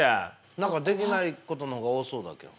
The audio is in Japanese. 何かできないことの方が多そうだけど。